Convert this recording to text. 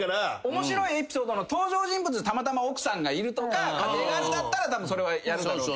面白いエピソードの登場人物にたまたま奥さんがいるとか家庭があるだったらやるだろうけど。